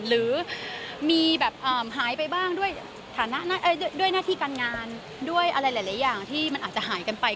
หรือมีแบบหายไปบ้างด้วยฐานะด้วยหน้าที่การงานด้วยอะไรหลายอย่างที่มันอาจจะหายกันไป